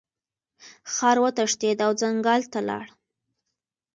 خر وتښتید او ځنګل ته لاړ.